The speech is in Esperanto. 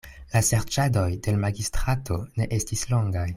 La serĉadoj de l' magistrato ne estis longaj.